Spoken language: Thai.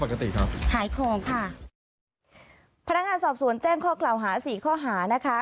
ครับหายของค่ะพนักงานสอบสวนแจ้งข้อกล่าวหาสี่ข้อหานะคะ